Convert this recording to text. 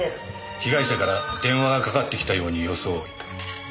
被害者から電話がかかってきたように装い。